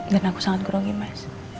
dan aku sangat grogi mas